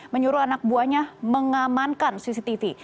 menyuruh anak buahnya mengamankan cctv